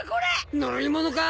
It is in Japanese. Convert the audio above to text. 乗り物か？